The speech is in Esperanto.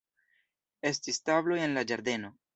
Estis tabloj en la ĝardeno.